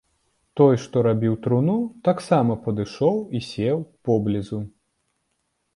Той, што рабіў труну, таксама падышоў і сеў поблізу.